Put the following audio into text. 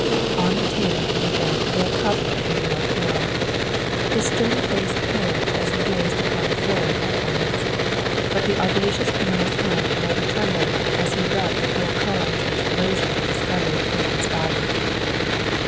On the table in the bank lay a copy of the New York Herald. His stern face paled as he gazed upon the flaring head lines. But the audacious criminal's hand never trembled as he read the four columns which blazoned the discovery of Clayton's body.